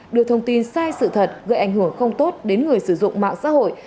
đưa thông tin sai sự thật gây ảnh hưởng không tốt đến người sử dụng mạng xã hội